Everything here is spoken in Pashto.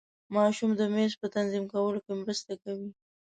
ماشوم د میز په تنظیم کولو کې مرسته کوي.